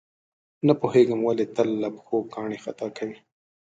نه پوهېږم ولې تل له پښو کاڼي خطا کوي.